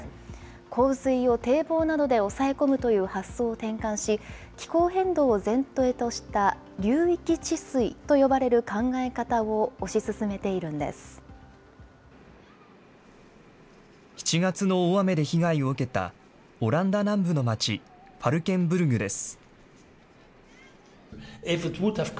洪水を堤防などで抑え込むという発想を転換し、気候変動を前提とした流域治水と呼ばれる７月の大雨で被害を受けた、オランダ南部の町、ファルケンブルグです。